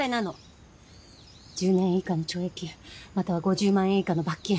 １０年以下の懲役または５０万円以下の罰金。